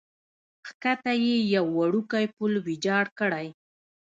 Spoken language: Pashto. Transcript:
کښته یې یو وړوکی پل ویجاړ کړی.